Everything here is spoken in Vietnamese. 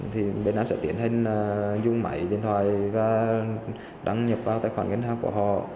thì bên em sẽ tiến hành dùng máy điện thoại và đăng nhập vào tài khoản ngân hàng của họ